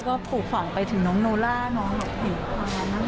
ก็ถูกฝังไปถึงน้องนูล่าน้องหลักผิด